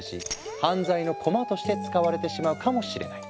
犯罪のコマとして使われてしまうかもしれない。